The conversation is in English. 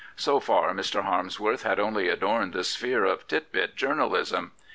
So far Mr. Harmsworth had only adorned the sphere of ' tit bit ' journalism.